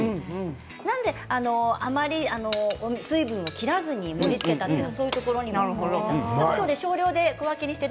なのであまり水分を切らずに盛りつけたというのはそういうこともあるんです。